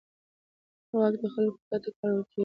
واک د خلکو په ګټه کارول کېږي.